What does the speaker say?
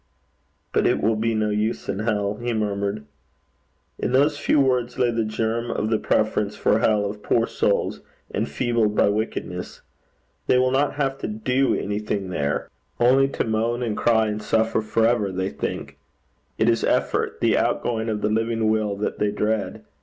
'But it will be no use in hell,' he murmured. In those few words lay the germ of the preference for hell of poor souls, enfeebled by wickedness. They will not have to do anything there only to moan and cry and suffer for ever, they think. It is effort, the out going of the living will that they dread.